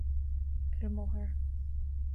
Ar an mbóthar